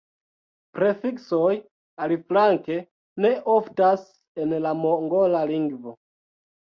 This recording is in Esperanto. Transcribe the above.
Prefiksoj, aliflanke, ne oftas en la mongola lingvo.